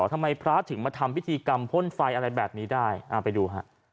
ทำไมพระถึงมาทำพิธีกรรมพ่นไฟอะไรแบบนี้ได้ไปดูฮะ